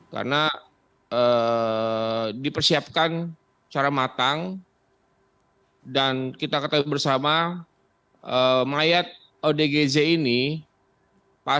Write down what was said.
karena dipersiapkan secara matang dan kita ketahui bersama mayat odgz ini pasti banyak yang tidak mencari korban